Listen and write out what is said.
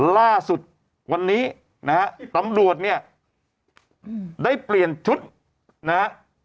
ล่าสุดวันนี้นะฮะตำรวจเนี่ยได้เปลี่ยนชุดนะฮะ